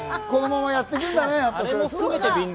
このままやってくんだね。